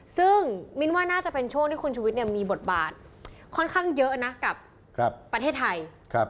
ซึ่งมิ้นว่าน่าจะเป็นช่วงที่คุณชุวิตมีบทบาทค่อนข้างเยอะนะกับประเทศไทย